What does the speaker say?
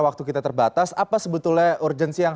waktu kita terbatas apa sebetulnya urgensi yang